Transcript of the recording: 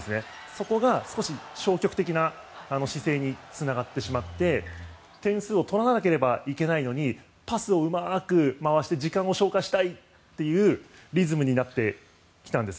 そこが少し消極的な姿勢につながってしまって点数を取らなければいけないのにパスをうまく回して時間を消化したいというリズムになってきたんです。